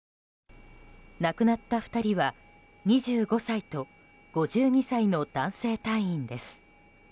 亡くなった２人は２５歳と５２歳の男性隊員です。